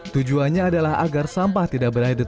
tujuannya adalah agar sampah tidak berada terlalu banyak